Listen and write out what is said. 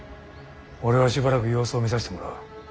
俺はしばらく様子を見させてもらう。